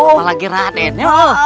apalagi raden ya